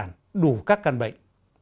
đảng cộng sản đủ các căn bệnh